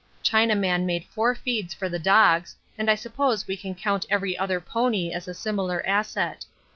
Chinaman made four feeds for the dogs, and I suppose we can count every other pony as a similar asset.